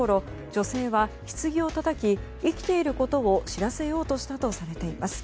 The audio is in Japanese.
女性は、ひつぎをたたき生きていることを知らせようとしたとされています。